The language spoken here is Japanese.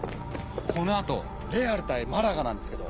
この後レアル対マラガなんですけど。